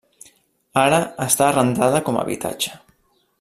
Ara està arrendada com habitatge.